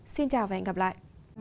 xin chào và hẹn gặp lại